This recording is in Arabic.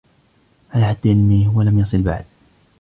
على حد علمي ، هو لم يصلْ بعد.